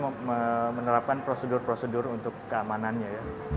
saya bisa menerapkan prosedur prosedur untuk keamanannya